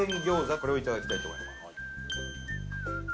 これをいただきたいと思います。